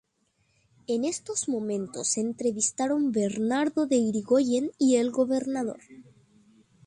En esos momentos se entrevistaron Bernardo de Irigoyen y el gobernador.